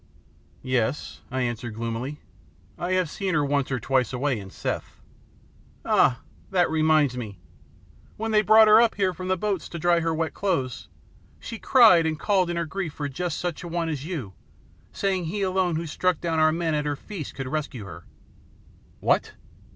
"Yes," I answered gloomily. "I have seen her once or twice away in Seth." "Ah, that reminds me! When they brought her up here from the boats to dry her wet clothes, she cried and called in her grief for just such a one as you, saying he alone who struck down our men at her feast could rescue her " "What!